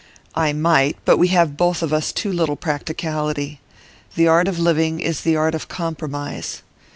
'I might; but we have both of us too little practicality. The art of living is the art of compromise.